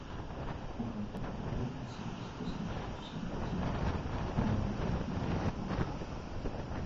У гэтым бою асабіста знішчыў сем адзінак бронетэхнікі ворага.